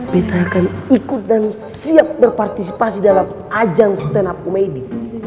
petra akan ikut dan siap berpartisipasi dalam ajang stand up komedi